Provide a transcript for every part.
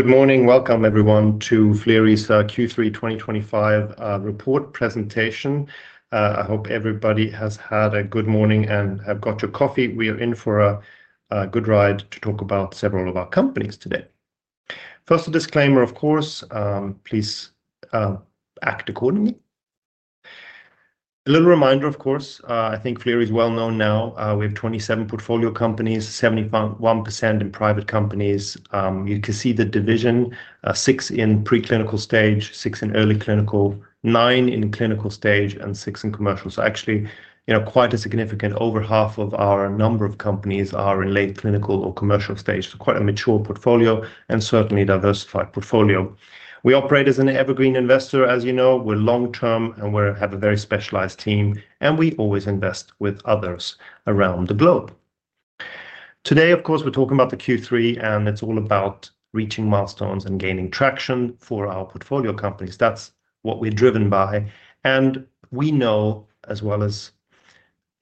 Good morning. Welcome, everyone, to Flerie's Q3 2025 report presentation. I hope everybody has had a good morning and have got your coffee. We are in for a good ride to talk about several of our companies today. First, a disclaimer, of course. Please act accordingly. A little reminder, of course, I think Flerie is well known now. We have 27 portfolio companies, 71% in private companies. You can see the division: six in preclinical stage, six in early clinical, nine in clinical stage, and six in commercial. Actually, you know, quite a significant over half of our number of companies are in late clinical or commercial stage. Quite a mature portfolio and certainly diversified portfolio. We operate as an evergreen investor, as you know. We're long-term and we have a very specialized team, and we always invest with others around the globe. Today, of course, we're talking about the Q3, and it's all about reaching milestones and gaining traction for our portfolio companies. That's what we're driven by. We know, as well as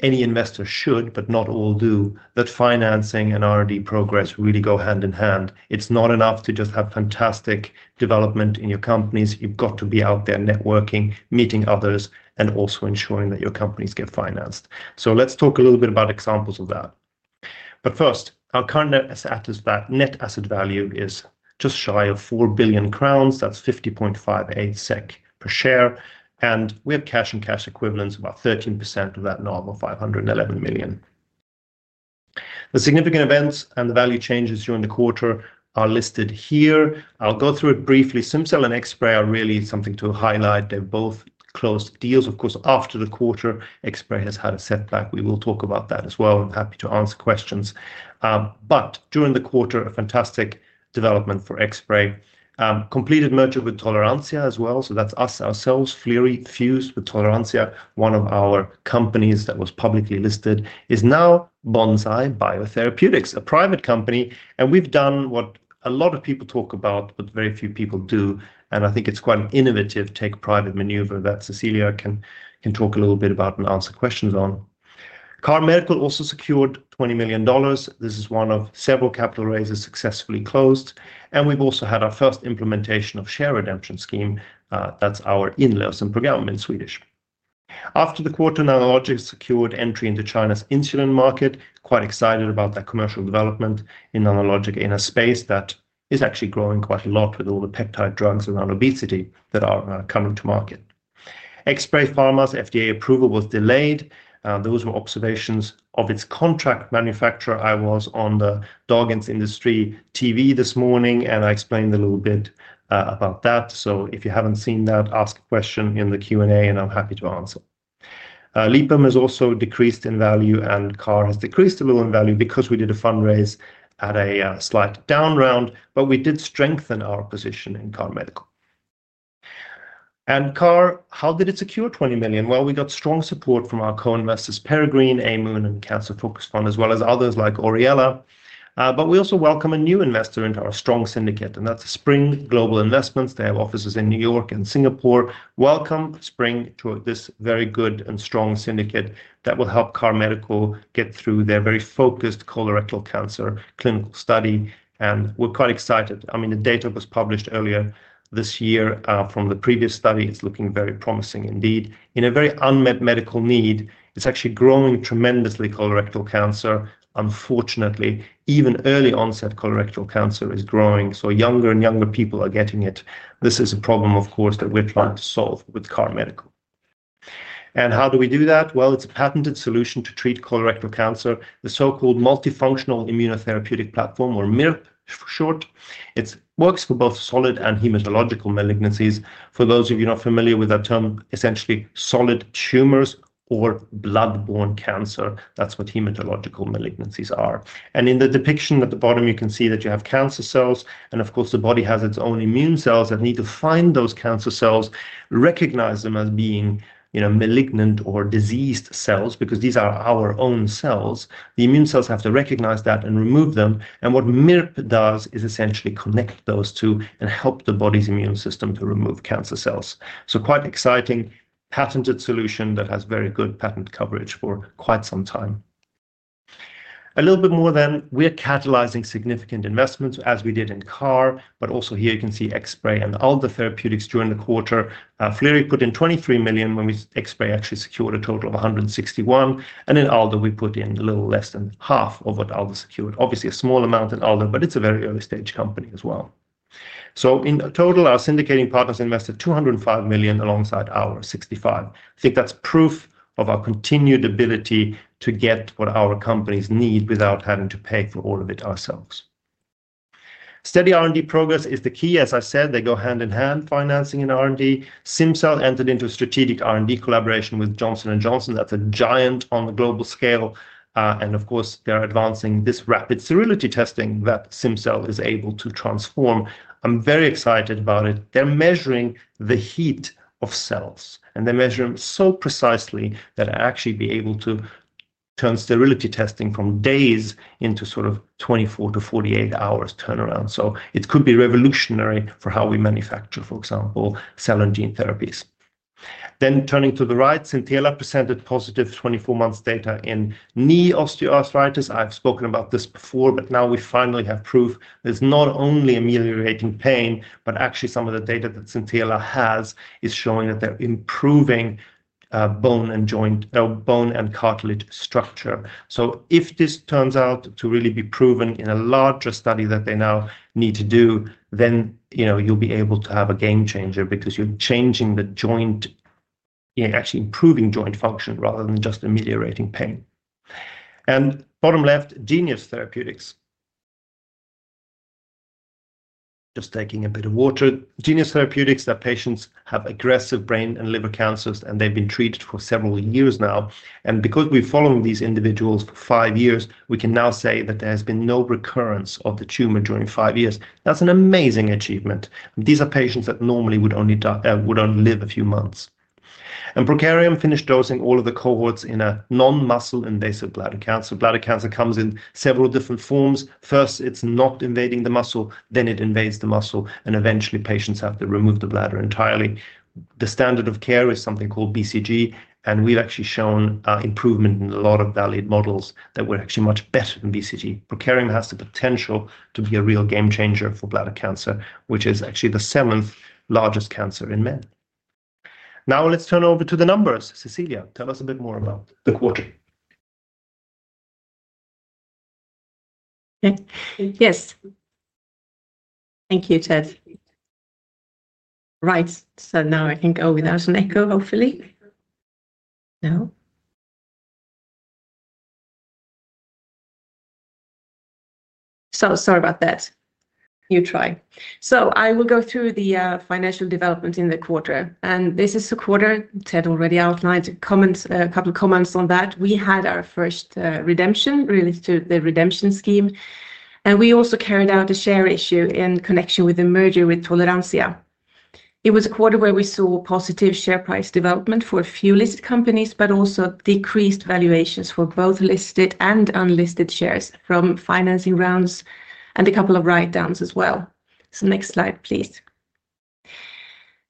any investor should, but not all do, that financing and R&D progress really go hand in hand. It's not enough to just have fantastic development in your companies. You've got to be out there networking, meeting others, and also ensuring that your companies get financed. Let's talk a little bit about examples of that. First, our current asset is that net asset value is just shy of 4 billion crowns. That's 50.58 SEK per share. We have cash and cash equivalents, about 13% of that, now 511 million. The significant events and the value changes during the quarter are listed here. I'll go through it briefly. Symcel and Xspray are really something to highlight. They've both closed deals, of course, after the quarter. Xspray has had a setback. We will talk about that as well. I'm happy to answer questions. During the quarter, a fantastic development for Xspray. Completed merger with Toleranzia as well. That's us, ourselves, Flerie fused with Toleranzia. One of our companies that was publicly listed is now Bonsai Biotherapeutics, a private company. We've done what a lot of people talk about, but very few people do. I think it's quite an innovative take-private maneuver that Cecilia can talk a little bit about and answer questions on. KAHR Medical also secured SEK 20 million. This is one of several capital raises successfully closed. We've also had our first implementation of share redemption scheme. That's our share redemption scheme in Swedish. After the quarter, Nanologica secured entry into China's insulin market. Quite excited about that commercial development in Nanologica in a space that is actually growing quite a lot with all the peptide drugs around obesity that are coming to market. Xspray Pharma's FDA approval was delayed. Those were observations of its contract manufacturer. I was on the Dagens Industri TV this morning, and I explained a little bit about that. If you haven't seen that, ask a question in the Q&A, and I'm happy to answer. Lipum has also decreased in value, and KAHR has decreased a little in value because we did a fundraise at a slight down round. We did strengthen our position in KAHR Medical. KAHR, how did it secure 20 million? We got strong support from our co-investors, Peregrine, Amoon, and Cancer Focus Fund, as well as others like Oriella. We also welcome a new investor into our strong syndicate, and that's Spring Global Investments. They have offices in New York and Singapore. Welcome Spring to this very good and strong syndicate that will help KAHR Medical get through their very focused colorectal cancer clinical study. We're quite excited. The data was published earlier this year from the previous study. It's looking very promising indeed. In a very unmet medical need, it's actually growing tremendously. Colorectal cancer, unfortunately, even early-onset colorectal cancer is growing. Younger and younger people are getting it. This is a problem, of course, that we're trying to solve with KAHR Medical. How do we do that? It's a patented solution to treat colorectal cancer, the so-called Multifunctional Immunotherapeutic Platform, or MIRP for short. It works for both solid and hematological malignancies. For those of you not familiar with that term, essentially solid tumors or blood-borne cancer. That's what hematological malignancies are. In the depiction at the bottom, you can see that you have cancer cells. The body has its own immune cells that need to find those cancer cells, recognize them as being, you know, malignant or diseased cells, because these are our own cells. The immune cells have to recognize that and remove them. What MIRP does is essentially connect those two and help the body's immune system to remove cancer cells. Quite exciting, patented solution that has very good patent coverage for quite some time. A little bit more then, we're catalyzing significant investments as we did in KAHR, but also here you can see Xspray and Alder Therapeutics during the quarter. Flerie put in 23 million when Xspray actually secured a total of 161 million. In Aldha we put in a little less than half of what Aldha secured. Obviously, a small amount in Aldha, but it's a very early stage company as well. In total, our syndicating partners invested 205 million alongside our 65 million. I think that's proof of our continued ability to get what our companies need without having to pay for all of it ourselves. Steady R&D progress is the key. As I said, they go hand in hand, financing and R&D. Symcel entered into a strategic R&D collaboration with Johnson & Johnson. That's a giant on the global scale. Of course, they're advancing this rapid sterility testing that Symcel is able to transform. I'm very excited about it. They're measuring the heat of cells, and they're measuring so precisely that they actually may be able to turn sterility testing from days into sort of 24 to 48 hours turnaround. It could be revolutionary for how we manufacture, for example, cell and gene therapies. Turning to the right, Xintela presented positive 24 months data in knee osteoarthritis. I've spoken about this before, but now we finally have proof that it's not only ameliorating pain, but actually some of the data that Xintela has is showing that they're improving bone and cartilage structure. If this turns out to really be proven in a larger study that they now need to do, then you'll be able to have a game changer because you're changing the joint, actually improving joint function rather than just ameliorating pain. Bottom left, Genius Therapeutics. Just taking a bit of water. Genius Therapeutics, their patients have aggressive brain and liver cancers, and they've been treated for several years now. Because we've followed these individuals for five years, we can now say that there has been no recurrence of the tumor during five years. That's an amazing achievement. These are patients that normally would only live a few months. Prokarium finished dosing all of the cohorts in a non-muscle invasive bladder cancer. Bladder cancer comes in several different forms. First, it's not invading the muscle, then it invades the muscle, and eventually patients have to remove the bladder entirely. The standard of care is something called BCG, and we've actually shown improvement in a lot of valid models that we're actually much better than BCG. Prokarium has the potential to be a real game changer for bladder cancer, which is actually the seventh largest cancer in men. Now let's turn over to the numbers. Cecilia, tell us a bit more about the quarter. Yes. Thank you, Ted. Right. Now I can go without an echo, hopefully. Sorry about that. I will go through the financial development in the quarter. This is a quarter Ted already outlined. A couple of comments on that. We had our first redemption related to the redemption scheme. We also carried out a share issue in connection with the merger with Toleranzia. It was a quarter where we saw positive share price development for a few listed companies, but also decreased valuations for both listed and unlisted shares from financing rounds and a couple of write-downs as well. Next slide, please.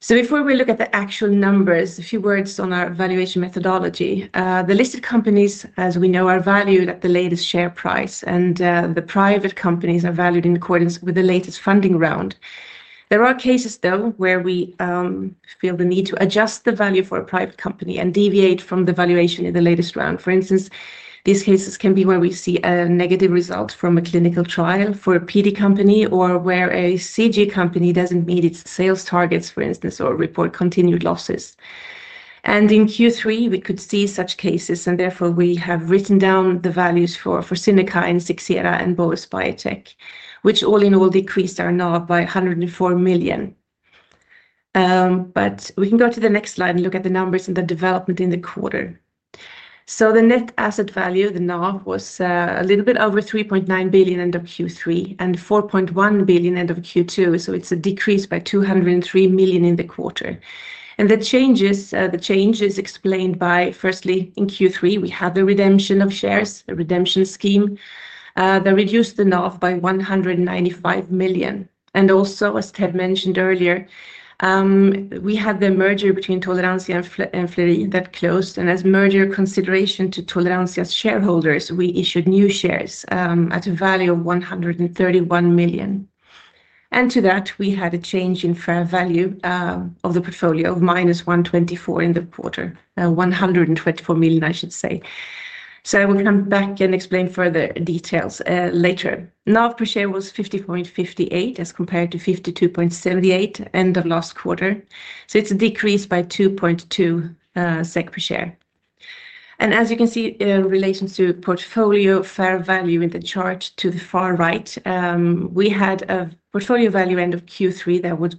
Before we look at the actual numbers, a few words on our valuation methodology. The listed companies, as we know, are valued at the latest share price, and the private companies are valued in accordance with the latest funding round. There are cases, though, where we feel the need to adjust the value for a private company and deviate from the valuation in the latest round. For instance, these cases can be where we see a negative result from a clinical trial for a portfolio company or where a company doesn't meet its sales targets, for instance, or report continued losses. In Q3, we could see such cases, and therefore we have written down the values for Synerkine, Sixera, and Bohus Biotech, which all in all decreased our NAV by 104 million. We can go to the next slide and look at the numbers and the development in the quarter. The net asset value, the NAV, was a little bit over 3.9 billion end of Q3 and 4.1 billion end of Q2. It's a decrease by 203 million in the quarter. The change is explained by, firstly, in Q3, we had the redemption of shares, a redemption scheme, that reduced the NAV by 195 million. As Ted mentioned earlier, we had the merger between Toleranzia and Flerie that closed. As merger consideration to Toleranzia's shareholders, we issued new shares at a value of 131 million. To that, we had a change in fair value of the portfolio of minus 124 million in the quarter. We will come back and explain further details later. NAV per share was 50.58 as compared to 52.78 end of last quarter. It's decreased by 2.2 SEK per share. As you can see, in relation to portfolio fair value in the chart to the far right, we had a portfolio value end of Q3 that was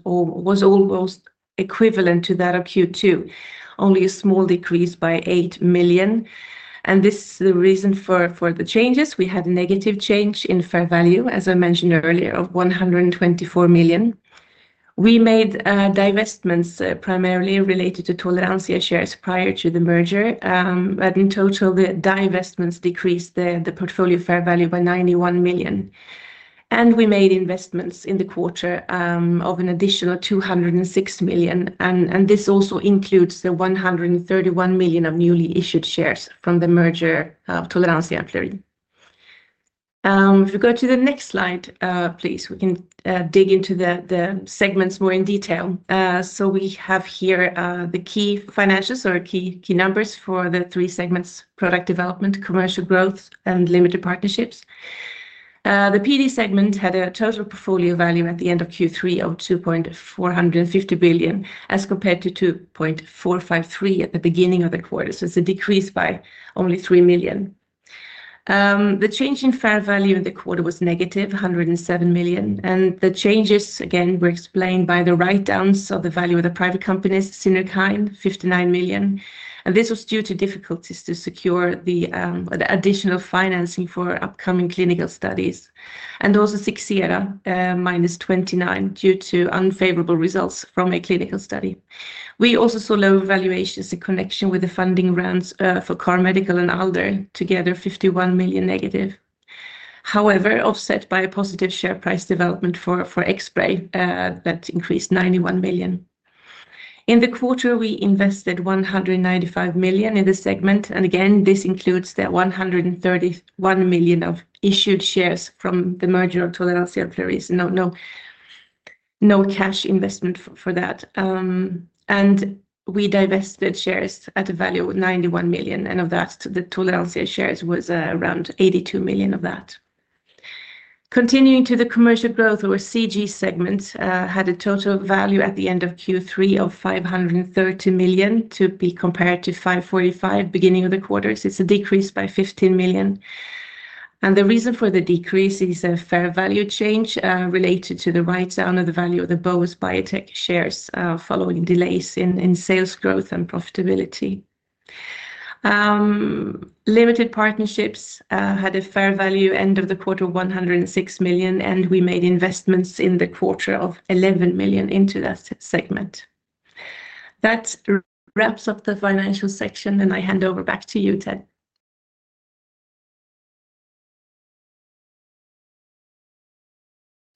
almost equivalent to that of Q2, only a small decrease by 8 million. This is the reason for the changes. We had a negative change in fair value, as I mentioned earlier, of 124 million. We made divestments primarily related to Toleranzia shares prior to the merger. In total, the divestments decreased the portfolio fair value by 91 million. We made investments in the quarter of an additional 206 million. This also includes the 131 million of newly issued shares from the merger of Toleranzia and Flerie. If we go to the next slide, please, we can dig into the segments more in detail. Here we have the key financials or key numbers for the three segments: product development, commercial growth, and limited partnerships. The product development segment had a total portfolio value at the end of Q3 of 2.450 billion as compared to 2.453 billion at the beginning of the quarter. It's a decrease by only 3 million. The change in fair value in the quarter was negative, 107 million. The changes, again, were explained by the write-downs of the value of the private companies, Synerkine, 59 million. This was due to difficulties to secure the additional financing for upcoming clinical studies. Also, Sixera, -29 million, due to unfavorable results from a clinical study. We also saw low valuations in connection with the funding rounds for KAHR Medical and Alder, together 51 million negative. However, this was offset by a positive share price development for Xspray Pharma that increased 91 million. In the quarter, we invested 195 million in the segment. This includes the 131 million of issued shares from the merger of Toleranzia and Flerie. No cash investment for that. We divested shares at a value of 91 million. Of that, the Toleranzia shares was around 82 million of that. Continuing to the commercial growth, our commercial growth segment had a total value at the end of Q3 of 530 million to be compared to 545 million at the beginning of the quarter. It's a decrease by 15 million. The reason for the decrease is a fair value change related to the write-down of the value of the Bohus Biotech shares following delays in sales growth and profitability. Limited partnerships had a fair value at the end of the quarter of 106 million. We made investments in the quarter of 11 million into that segment. That wraps up the financial section. I hand over back to you, Ted.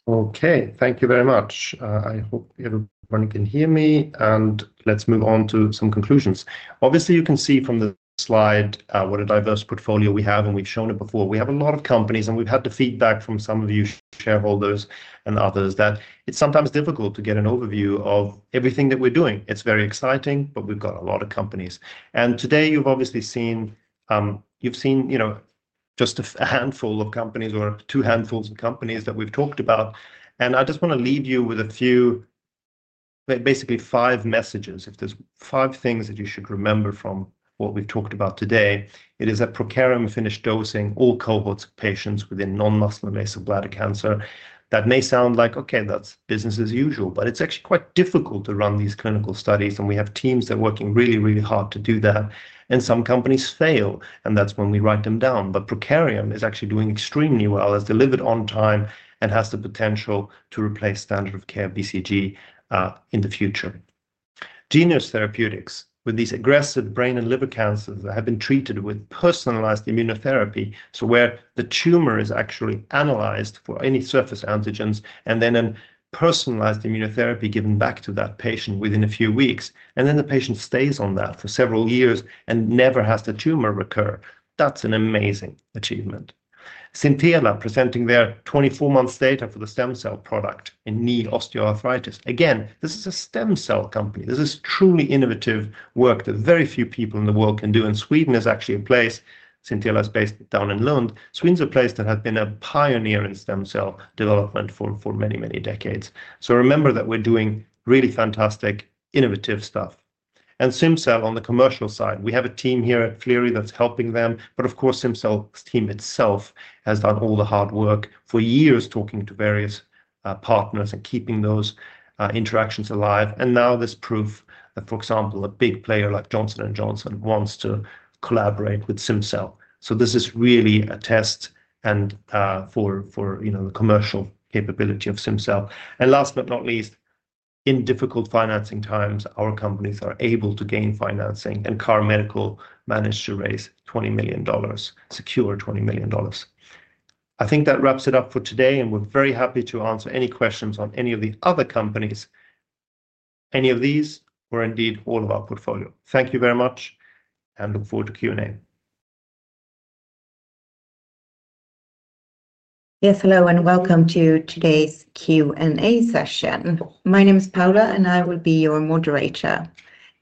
Okay. Thank you very much. I hope everyone can hear me. Let's move on to some conclusions. Obviously, you can see from the slide what a diverse portfolio we have. We've shown it before. We have a lot of companies. We've had the feedback from some of you shareholders and others that it's sometimes difficult to get an overview of everything that we're doing. It's very exciting, but we've got a lot of companies. Today, you've obviously seen, you've seen, you know, just a handful of companies or two handfuls of companies that we've talked about. I just want to leave you with a few, basically five messages. If there's five things that you should remember from what we've talked about today, it is that Prokarium finished dosing all cohorts of patients within non-muscle invasive bladder cancer. That may sound like, okay, that's business as usual, but it's actually quite difficult to run these clinical studies. We have teams that are working really, really hard to do that. Some companies fail. That's when we write them down. Prokarium is actually doing extremely well, has delivered on time, and has the potential to replace standard of care BCG in the future. Genius Therapeutics, with these aggressive brain and liver cancers that have been treated with personalized immunotherapy, so where the tumor is actually analyzed for any surface antigens, and then a personalized immunotherapy given back to that patient within a few weeks. The patient stays on that for several years and never has the tumor recur. That's an amazing achievement. Xintela presenting their 24 months data for the stem cell product in knee osteoarthritis. Again, this is a stem cell company. This is truly innovative work that very few people in the world can do. Sweden is actually a place, Xintela is based down in Lund. Sweden is a place that has been a pioneer in stem cell development for many, many decades. Remember that we're doing really fantastic, innovative stuff. Symcel on the commercial side, we have a team here at Flerie that's helping them. Of course, Symcel's team itself has done all the hard work for years, talking to various partners and keeping those interactions alive. Now there's proof that, for example, a big player like Johnson & Johnson wants to collaborate with Symcel. This is really a test for, you know, the commercial capability of Symcel. Last but not least, in difficult financing times, our companies are able to gain financing. KAHR Medical managed to raise SEK 20 million, secure SEK 20 million. I think that wraps it up for today. We're very happy to answer any questions on any of the other companies, any of these, or indeed all of our portfolio. Thank you very much. Look forward to Q&A. Yes, hello, and welcome to today's Q&A session. My name is Paula, and I will be your moderator.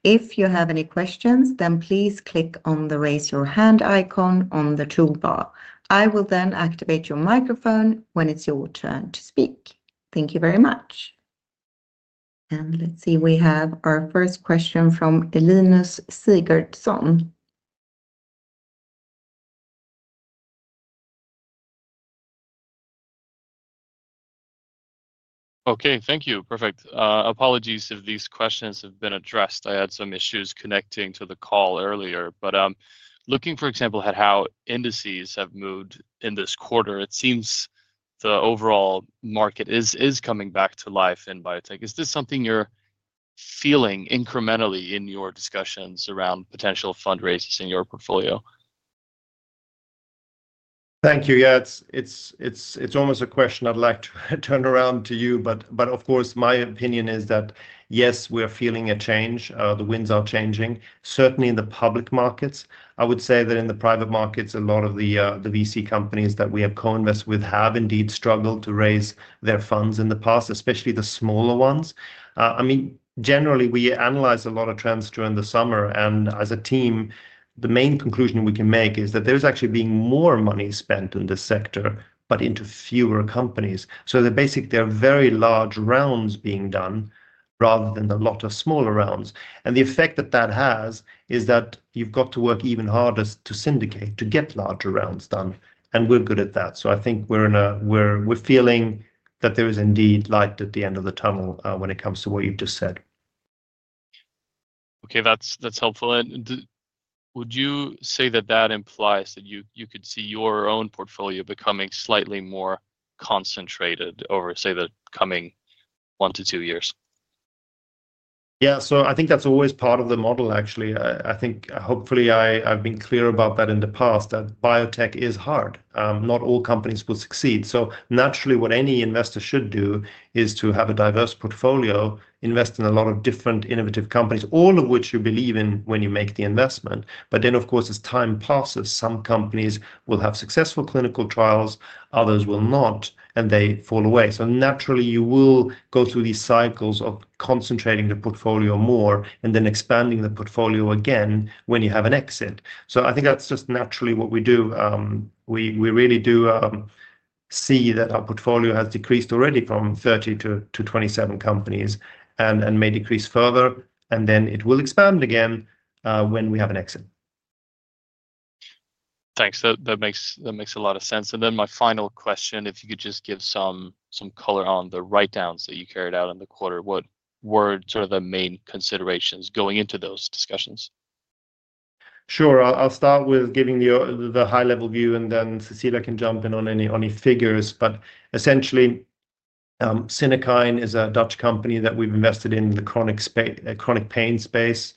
If you have any questions, please click on the raise your hand icon on the toolbar. I will then activate your microphone when it's your turn to speak. Thank you very much. Let's see, we have our first question from Linus Sigurdson. Okay, thank you. Perfect. Apologies if these questions have been addressed. I had some issues connecting to the call earlier. Looking, for example, at how indices have moved in this quarter, it seems the overall market is coming back to life in biotech. Is this something you're feeling incrementally in your discussions around potential fundraisers in your portfolio? Thank you. Yeah, it's almost a question I'd like to turn around to you. Of course, my opinion is that, yes, we are feeling a change. The winds are changing, certainly in the public markets. I would say that in the private markets, a lot of the VC companies that we have co-invested with have indeed struggled to raise their funds in the past, especially the smaller ones. Generally, we analyze a lot of trends during the summer, and as a team, the main conclusion we can make is that there's actually being more money spent in this sector, but into fewer companies. Basically, there are very large rounds being done rather than a lot of smaller rounds. The effect that that has is that you've got to work even harder to syndicate to get larger rounds done. We're good at that. I think we're feeling that there is indeed light at the end of the tunnel when it comes to what you've just said. Okay, that's helpful. Would you say that implies that you could see your own portfolio becoming slightly more concentrated over, say, the coming one to two years? Yeah, so I think that's always part of the model, actually. I think hopefully I've been clear about that in the past, that biotech is hard. Not all companies will succeed. Naturally, what any investor should do is to have a diverse portfolio, invest in a lot of different innovative companies, all of which you believe in when you make the investment. Of course, as time passes, some companies will have successful clinical trials, others will not, and they fall away. Naturally, you will go through these cycles of concentrating the portfolio more and then expanding the portfolio again when you have an exit. I think that's just naturally what we do. We really do see that our portfolio has decreased already from 30 to 27 companies and may decrease further. It will expand again when we have an exit. Thanks. That makes a lot of sense. My final question, if you could just give some color on the write-downs that you carried out in the quarter, what were the main considerations going into those discussions? Sure. I'll start with giving the high-level view, and then Cecilia can jump in on any figures. Essentially, Synerkine is a Dutch company that we've invested in the chronic pain space.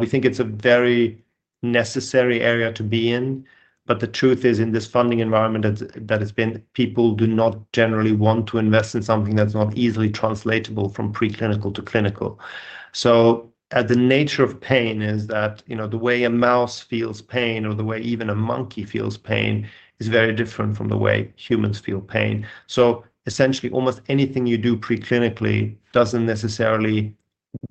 We think it's a very necessary area to be in. The truth is, in this funding environment that it's been, people do not generally want to invest in something that's not easily translatable from preclinical to clinical. The nature of pain is that, you know, the way a mouse feels pain or the way even a monkey feels pain is very different from the way humans feel pain. Essentially, almost anything you do preclinically doesn't necessarily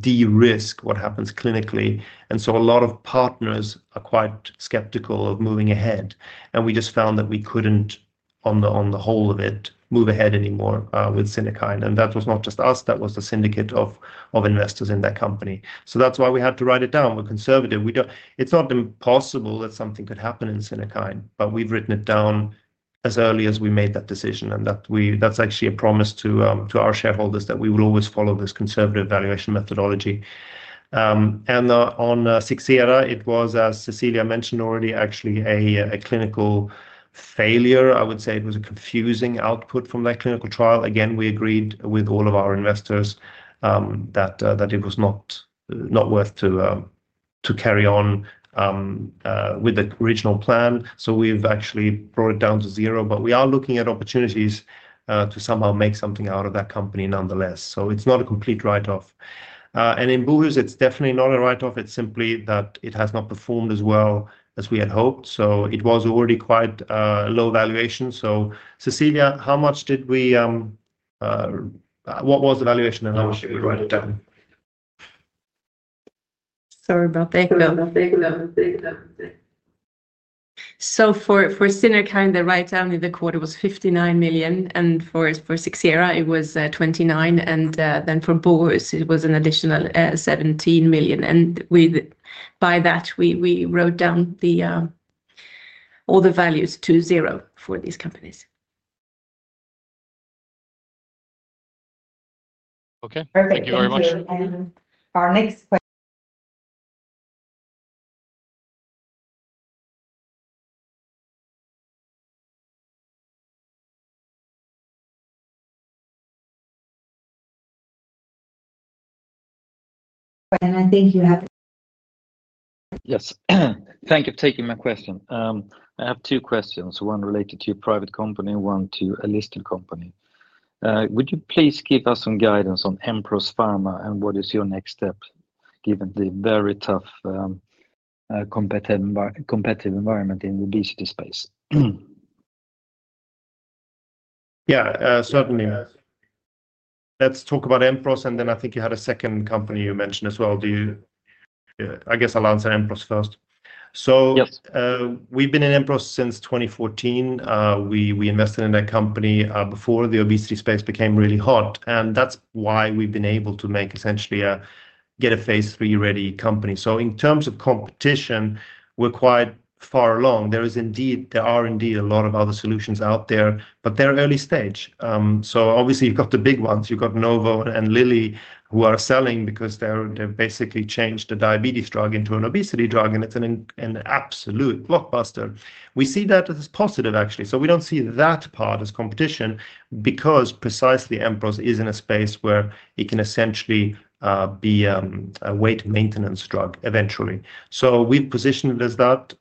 de-risk what happens clinically. A lot of partners are quite skeptical of moving ahead. We just found that we couldn't, on the whole of it, move ahead anymore with Synerkine. That was not just us. That was the syndicate of investors in that company. That's why we had to write it down. We're conservative. It's not impossible that something could happen in Synerkine, but we've written it down as early as we made that decision. That's actually a promise to our shareholders that we will always follow this conservative valuation methodology. On Sixera, it was, as Cecilia mentioned already, actually a clinical failure. I would say it was a confusing output from that clinical trial. Again, we agreed with all of our investors that it was not worth to carry on with the original plan. We've actually brought it down to zero. We are looking at opportunities to somehow make something out of that company nonetheless. It's not a complete write-off. In Bohus Biotech, it's definitely not a write-off. It's simply that it has not performed as well as we had hoped. It was already quite low valuation. Cecilia, how much did we, what was the valuation and how much did we write it down? Sorry about that. For Synerkine, the write-down in the quarter was 59 million. For Sixera, it was 29 million. For Bohus, it was an additional 17 million. By that, we wrote down all the values to zero for these companies. Okay. Thank you very much. Perfect. Thank you. Our next question. Thank you for taking my question. I have two questions, one related to your private company, one to a listed company. Would you please give us some guidance on Empros Pharma and what is your next step given the very tough competitive environment in the obesity space? Yeah, certainly. Let's talk about Empros. I think you had a second company you mentioned as well. I'll answer Empros first. We've been in Empros since 2014. We invested in that company before the obesity space became really hot. That's why we've been able to make essentially a phase III ready company. In terms of competition, we're quite far along. There are indeed a lot of other solutions out there, but they're early stage. Obviously, you've got the big ones. You've got Novo and Lilly who are selling because they've basically changed the diabetes drug into an obesity drug. It's an absolute blockbuster. We see that as positive, actually. We don't see that part as competition because precisely Empros is in a space where it can essentially be a weight maintenance drug eventually. We've positioned it as that.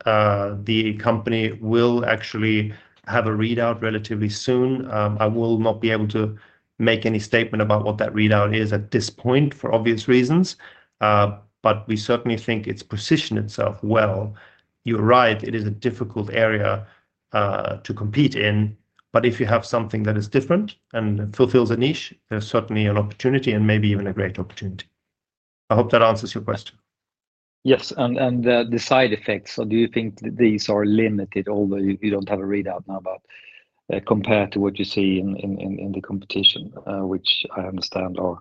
The company will actually have a readout relatively soon. I will not be able to make any statement about what that readout is at this point for obvious reasons. We certainly think it's positioned itself well. You're right. It is a difficult area to compete in. If you have something that is different and fulfills a niche, there's certainly an opportunity and maybe even a great opportunity. I hope that answers your question. Yes. The side effects, or do you think these are limited, although you don't have a readout now, but compared to what you see in the competition, which I understand are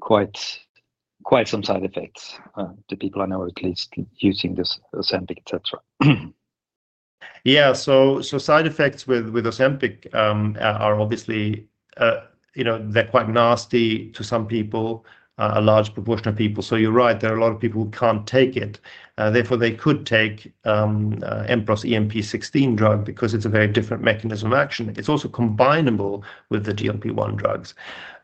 quite some side effects to people I know are at least using this Ozempic, etc. Yeah. Side effects with Ozempic are obviously, you know, they're quite nasty to some people, a large proportion of people. You're right. There are a lot of people who can't take it. Therefore, they could take Empros EMP16 drug because it's a very different mechanism of action. It's also combinable with the GLP-1 drugs.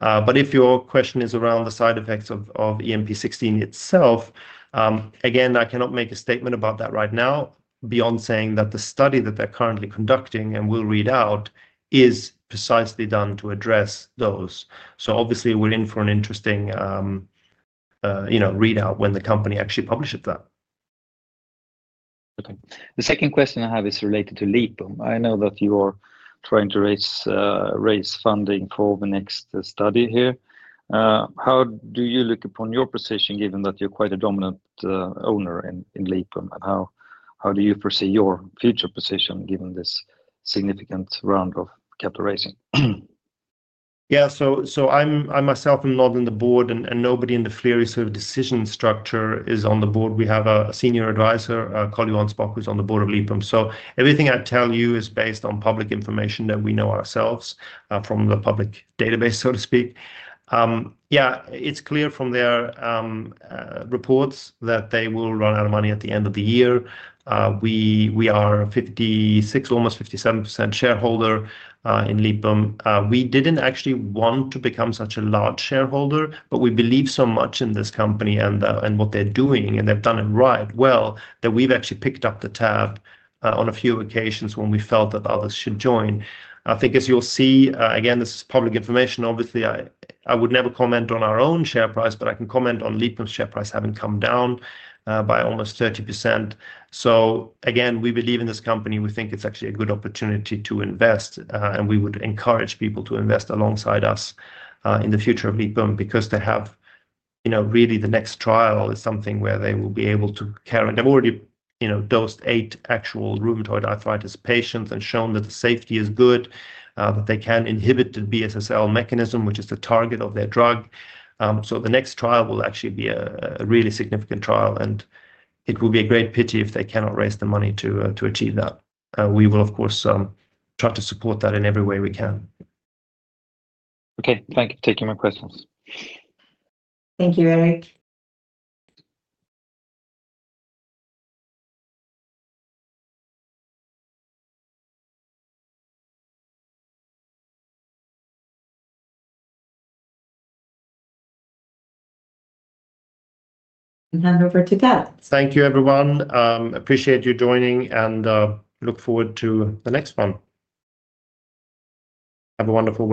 If your question is around the side effects of EMP16 itself, again, I cannot make a statement about that right now beyond saying that the study that they're currently conducting and will read out is precisely done to address those. Obviously, we're in for an interesting, you know, readout when the company actually publishes that. Okay. The second question I have is related to Lipum. I know that you are trying to raise funding for the next study here. How do you look upon your position given that you're quite a dominant owner in Lipum? How do you foresee your future position given this significant round of capital raising? Yeah. I myself am not on the board, and nobody in the Flerie sort of decision structure is on the board. We have a Senior Advisor, Carl-Johan Spak, who's on the board of Lipum. Everything I tell you is based on public information that we know ourselves from the public database, so to speak. It's clear from their reports that they will run out of money at the end of the year. We are 56%, almost 57% shareholder in Lipum. We didn't actually want to become such a large shareholder, but we believe so much in this company and what they're doing, and they've done it right well that we've actually picked up the tab on a few occasions when we felt that others should join. I think as you'll see, again, this is public information. Obviously, I would never comment on our own share price, but I can comment on Lipum's share price having come down by almost 30%. We believe in this company. We think it's actually a good opportunity to invest, and we would encourage people to invest alongside us in the future of Lipum because they have, you know, really the next trial is something where they will be able to carry. They've already, you know, dosed eight actual rheumatoid arthritis patients and shown that the safety is good, that they can inhibit the BSSL mechanism, which is the target of their drug. The next trial will actually be a really significant trial, and it will be a great pity if they cannot raise the money to achieve that. We will, of course, try to support that in every way we can. Okay, thank you for taking my questions. Thank you, Eric. I hand over to Ted. Thank you, everyone. Appreciate you joining and look forward to the next one. Have a wonderful day.